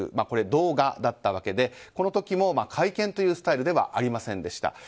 これは動画だったわけでこの時も会見というスタイルではありませんでした。